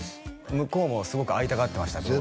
向こうもすごく会いたがってましたけど